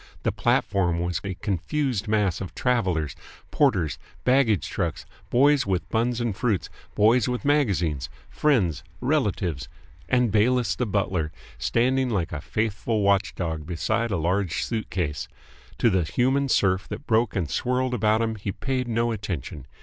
The platform was a confused mass of travellers, porters, baggage, trucks, boys with buns and fruits, boys with magazines, friends, relatives, and Bayliss the butler, standing like a faithful watchdog beside a large suitcase. To the human surf that broke and swirled about him he paid no attention.